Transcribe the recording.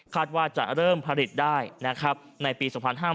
คาดว่าจะเริ่มผลิตได้ในปี๒๕๖๘